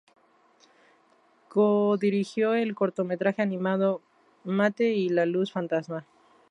Codirigió el cortometraje animado "Mate y la luz fantasma".